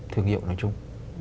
thương hiệu nói chung